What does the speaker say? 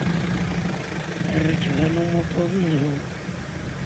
Rrekba n umuṭu d zzhu.